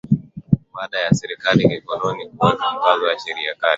Baada ya serikali ya kikoloni kuweka mkazo na sheria kali